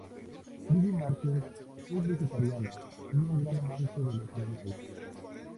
Billy Martin, es vegetariano y un gran amante de los animales.